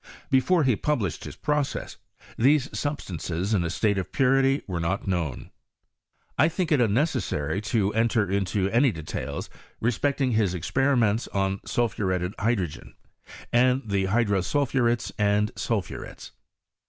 Beforehe published his process, these substances in a state of purity were not known. I think it unnecessary to enter into any details respecting his experimentson sulphuretted hydrogen, and the hydrosulphurets and sulphurets.